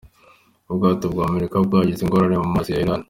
Ubwato bwa Amerika bwagize ingorane mu mazi ya Iran.